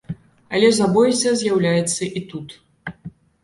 Але забойца з'яўляецца і тут.